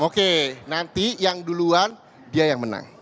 oke nanti yang duluan dia yang menang